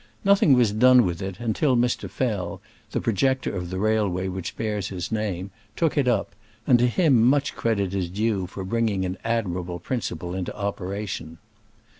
Nothing was done with it until Mr. Fell, the projector of the railway which bears his name, took it up, and to him much credit is due for bringing an admirable principle into operation.